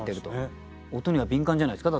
音には敏感じゃないですか？